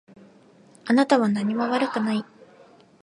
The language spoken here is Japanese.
あなたは何も悪くない。